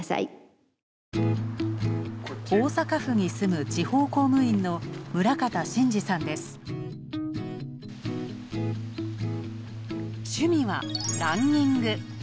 大阪府に住む地方公務員の趣味はランニング。